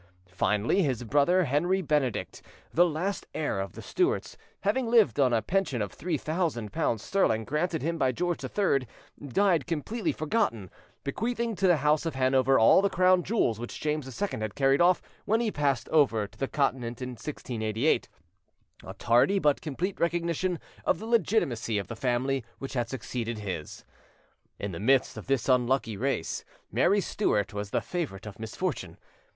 Finally, his brother, Henry Benedict, the last heir of the Stuarts, having lived on a pension of three thousand pounds sterling, granted him by George III, died completely forgotten, bequeathing to the House of Hanover all the crown jewels which James II had carried off when he passed over to the Continent in 1688—a tardy but complete recognition of the legitimacy of the family which had succeeded his. In the midst of this unlucky race, Mary Stuart was the favourite of misfortune.